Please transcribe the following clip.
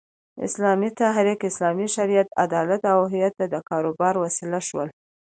اسلامي تحریک، اسلامي شریعت، عدالت او هویت د کاروبار وسیله شول.